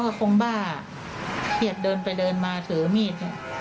เค้าก็คงบ้าอ่ะเขียบเดินไปเดินมาถือมีด